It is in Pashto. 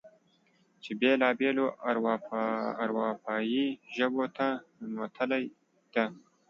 چې بېلا بېلو اروپايې ژبو ته ننوتلې ده.